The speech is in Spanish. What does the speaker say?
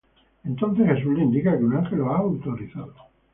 Entonces Jesús les indica que un ángel lo había autorizado.